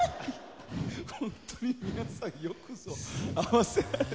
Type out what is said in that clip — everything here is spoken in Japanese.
本当に皆さんよくぞ合わせられた。